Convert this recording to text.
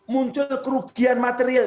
muncul kerugian material